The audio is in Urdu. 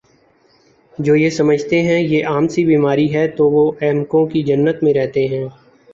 جو یہ سمجھتے ہیں یہ عام سی بیماری ہے تو وہ احمقوں کی جنت میں رہتے ہیں